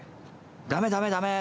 ダメダメダメ！